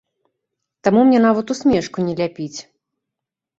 Таму мне нават усмешку не ляпіць.